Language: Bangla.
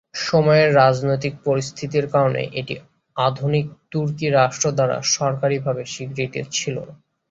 সময়ের রাজনৈতিক পরিস্থিতির কারণে, এটি আধুনিক তুর্কি রাষ্ট্র দ্বারা সরকারীভাবে স্বীকৃত ছিল না।